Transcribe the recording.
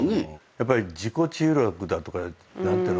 やっぱり自己治癒力だとか何ていうの？